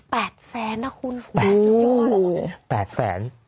แปดแสนนะคุณคุณโอ้โหแปดแสน